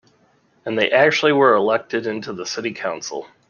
And they actually were elected into the city council.